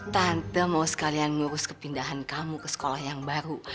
tante mau sekalian ngurus kepindahan kamu ke sekolah yang baru